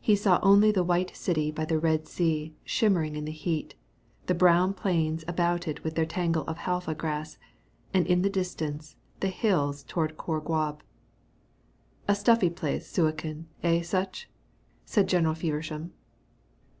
He saw only the white city by the Red Sea shimmering in the heat, the brown plains about it with their tangle of halfa grass, and in the distance the hills towards Khor Gwob. "A stuffy place Suakin, eh, Sutch?" said General Feversham.